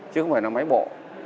chứ không phải là máy bộ